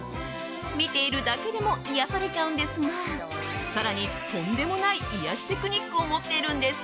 見ているだけでも癒やされちゃうんですが更にとんでもない癒やしテクニックを持っているんです。